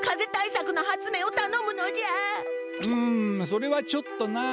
うんそれはちょっとな。